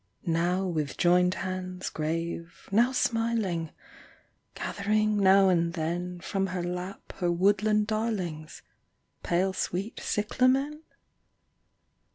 Now, with joined hands, grave, now smiling, Gathering now and then From her lap her woodland darlings. Pale sweet cyclamen